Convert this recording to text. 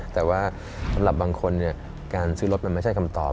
แต่ว่าสำหรับบางคนการซื้อรถมันไม่ใช่คำตอบ